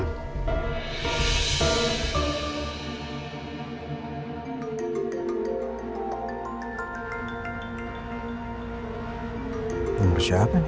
nomor siapa ini